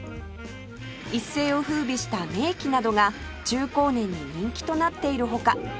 一世を風靡した名機などが中高年に人気となっている他